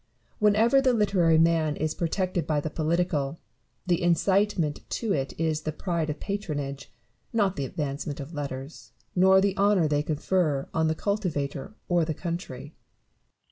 Whenever the literary man is protected by the political, the incitement to it is the pride of patronage ; not the advancement of letters, nor the honour they confer on the cultivator or the country.